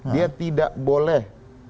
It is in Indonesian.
dia tidak boleh